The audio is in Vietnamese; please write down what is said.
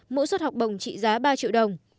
mỗi suốt học bồng trị giá ba triệu đồng